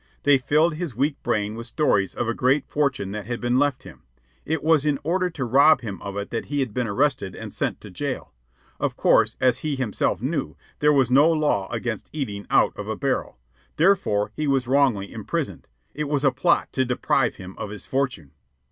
They filled his weak brain with stories of a great fortune that had been left him. It was in order to rob him of it that he had been arrested and sent to jail. Of course, as he himself knew, there was no law against eating out of a barrel. Therefore he was wrongly imprisoned. It was a plot to deprive him of his fortune.